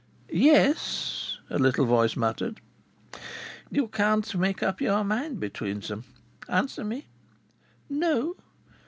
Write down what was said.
"Yes," a little voice muttered. "You can't make up your mind between them? Answer me." "No."